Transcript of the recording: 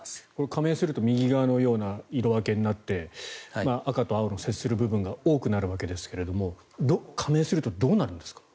加盟すると右側のような色分けになって赤と青の接する部分が多くなるわけですけども加盟するとどうなるんですか。